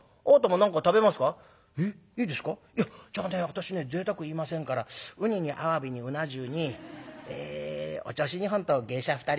私ねぜいたく言いませんからウニにアワビにうな重にええおちょうし２本と芸者２人ぐらい」。